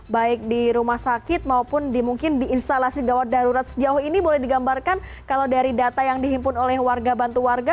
baik di rumah sakit maupun mungkin di instalasi gawat darurat sejauh ini boleh digambarkan kalau dari data yang dihimpun oleh warga bantu warga